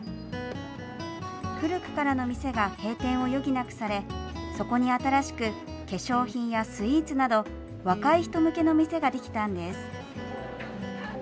古くからの店が閉店を余儀なくされそこに新しく化粧品やスイーツなど若い人向けの店ができたんです。